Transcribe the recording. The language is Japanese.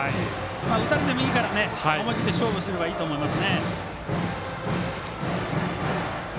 打たれてもいいから思い切って勝負すればいいと思います。